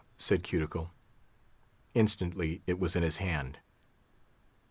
said Cuticle. Instantly it was in his hand.